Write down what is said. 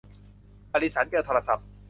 อลิสันเจอโทรศัพท์